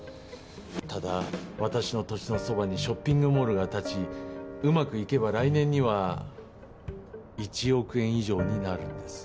ただ私の土地のそばにショッピングモールが建ちうまくいけば来年には１億円以上になるんです。